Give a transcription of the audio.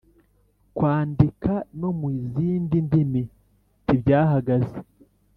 kwandika no mu zindi ndimi ntibyahagaze